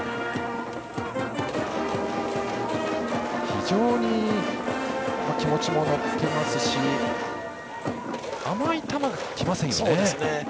非常に気持ちも乗っていますし甘い球が来ませんよね。